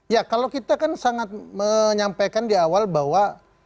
ya kalau kita kan sangat menyampaikan di awal bahwa